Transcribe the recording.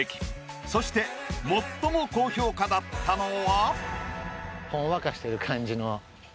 そして最も高評価だったのは？